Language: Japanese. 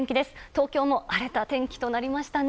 東京も荒れた天気となりましたね。